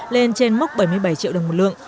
lên trên mốc bảy mươi bảy triệu đồng một lượng